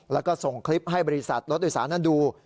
แล้วก็ส่งคลิปให้บริษัทรถโดยสารนั้นดู